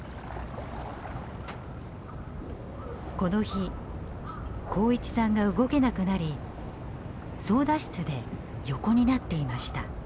この日幸一さんが動けなくなり操舵室で横になっていました。